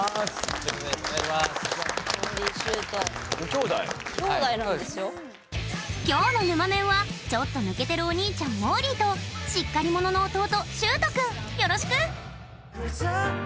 きょうのぬまメンはちょっと抜けてるお兄ちゃんもーりーとしっかり者の弟しゅーとくんよろしく！